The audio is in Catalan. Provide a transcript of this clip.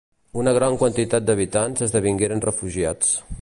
Una gran quantitat d'habitants esdevingueren refugiats.